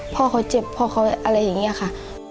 พ่อเขาเจ็บพ่อเขาอะไรอย่างนี้ค่ะ